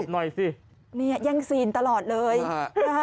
หน่อยสิเนี่ยแย่งซีนตลอดเลยฮะ